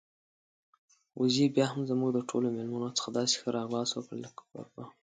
وزې بيا هم زموږ د ټولو میلمنو څخه داسې ښه راغلاست وکړ لکه کوربه.